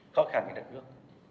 khó khăn thì đặt nước